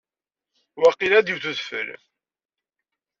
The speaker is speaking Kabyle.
Waqil ad iwet udfel.